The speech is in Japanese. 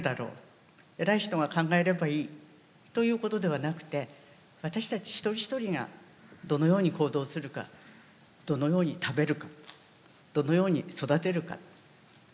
偉い人が考えればいいということではなくて私たち一人一人がどのように行動するかどのように食べるかどのように育てるかということだと思います。